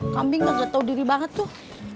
kambing gak jatuh diri banget tuh